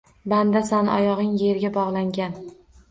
Bandasan, oyog’ing yerga bog’langan!